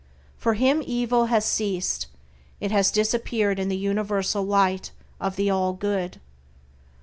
For him evil has ceased; it has disappeared in the universal light of the All Good.